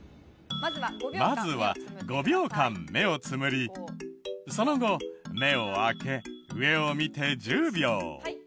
まずは５秒間目をつむりその後目を開け上を見て１０秒。